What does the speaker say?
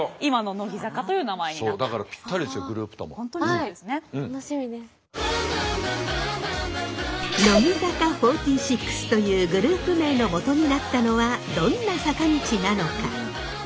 乃木坂４６というグループ名のもとになったのはどんな坂道なのか？